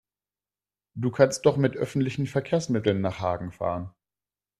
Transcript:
Du kannst doch mit öffentlichen Verkehrsmitteln nach Hagen fahren